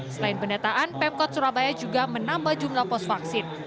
selain pendataan pemkot surabaya juga menambah jumlah pos vaksin